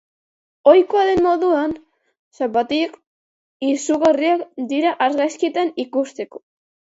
Ohikoa den moduan, zapatilak izugarriak dira argazkietan ikusteko.